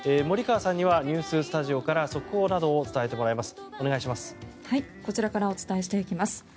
森川さんにはニューススタジオから速報などを伝えてもらいます。